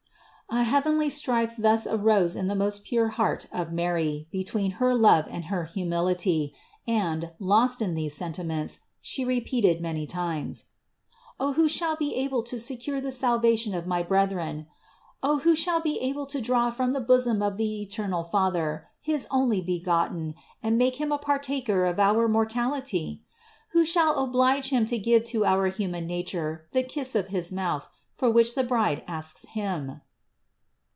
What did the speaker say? A heavenly strife thus arose in the most pure heart of Mary between her love and her humility, and, lost in these sentiments, She repeated many times: "Oh who shall be able to secure the salvation of my brethren ! Oh who shall be able to draw from the bosom of the eternal 2 7 77 78 CITY OF GOD Father his Onlybegotten and make Him a partaker of our mortality! Oh who shall oblige Him to give to our human nature the kiss of his mouth, for which the bride asks Him!